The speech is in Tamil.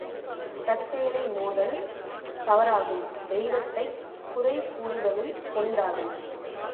தற்செயலை நோதல் தவறாகும், தெய்வத்தைக் குறைகூறுதலும் பொருந்தாது.